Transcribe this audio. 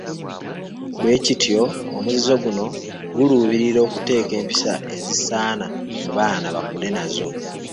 Bwe kityo omuzizo guno guluubirira kuteeka mpisa ezisaana mu baana bakule nazo.